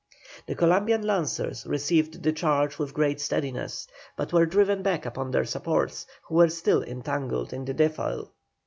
The Columbian lancers received the charge with great steadiness, but were driven back upon their supports, who were still entangled in the defile.